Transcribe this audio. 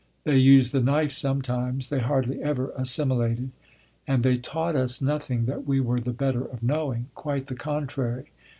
They used the knife sometimes; they hardly ever assimilated; and they taught us nothing that we were the better of knowing. Quite the contrary.